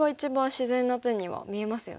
自然な手には見えますよね。